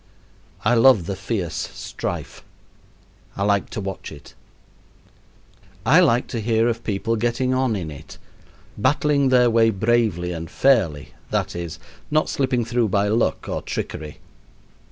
I love the fierce strife. I like to watch it. I like to hear of people getting on in it battling their way bravely and fairly that is, not slipping through by luck or trickery.